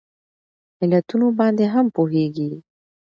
علتونو باندې هم پوهیږي